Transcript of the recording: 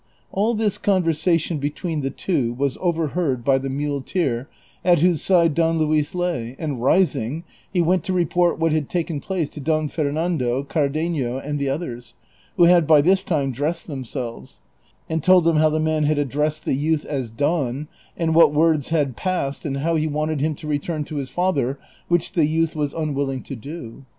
All this conversation between the two was overheard by the muleteer at whose side Don Luis lay, and rising, he went to report what had taken place to Don Fernando, Oardenio, and the others, who had by this time dressed themselves ; and told them how the man had addressed the youth as " Don," and what words had passed, and how he wauted him to return to his father, which the youth was unwilling to do.